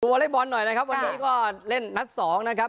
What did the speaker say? วอเล็กบอลหน่อยนะครับวันนี้ก็เล่นนัดสองนะครับ